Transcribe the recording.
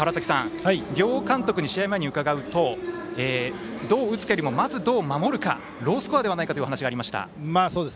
両監督に試合前に伺うとどう打つかよりもどう守るかロースコアではないかという話がありました。